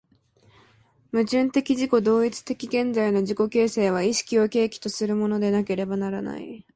矛盾的自己同一的現在の自己形成は意識を契機とするものでなければならない。